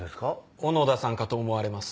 小野田さんかと思われます。